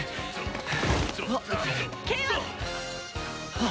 あっ。